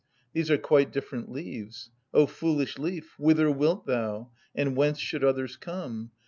These are quite different leaves!" Oh, foolish leaf! Whither wilt thou? And whence should others come?